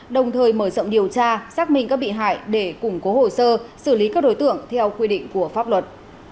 đồng thời mở rộng điều tra xác minh các bị hại để củng cố hồ sơ xử lý các đối tượng theo quy định của pháp luật